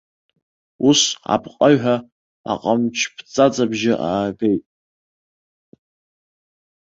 Ус апҟаҩҳәа аҟамчԥҵаҵабжьы аагеит!